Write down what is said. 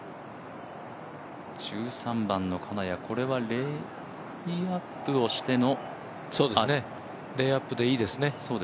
１３番の金谷、これはレイアップをしてのレイアップでいいですね